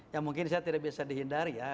ya mungkin saya tidak bisa dihindari ya